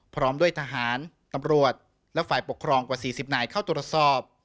พร้อมด้วยทหารตำรวจและฝ่ายปกครองกว่า๔๐นายเข้าตรวจสอบ